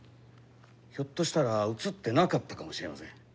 ひょっとしたら映ってなかったかもしれません。